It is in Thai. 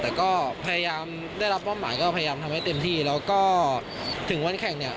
แต่ก็พยายามได้รับมอบหมายก็พยายามทำให้เต็มที่แล้วก็ถึงวันแข่งเนี่ย